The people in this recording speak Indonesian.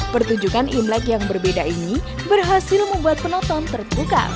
pertunjukan imlek yang berbeda ini berhasil membuat penonton terbuka